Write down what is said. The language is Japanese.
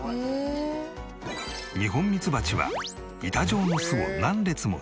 ニホンミツバチは板状の巣を何列も作り